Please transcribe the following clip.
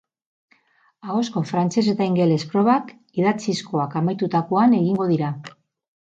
Ahozko frantses eta ingeles probak idatzizkoak amaitutakoan egingo dira.